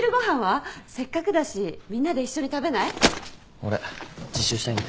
俺自習したいんで。